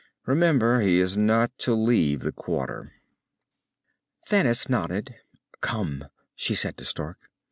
"Remember, he is not to leave the Quarter." Thanis nodded. "Come," she said to Stark.